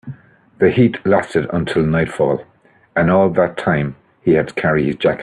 The heat lasted until nightfall, and all that time he had to carry his jacket.